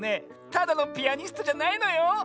ただのピアニストじゃないのよ。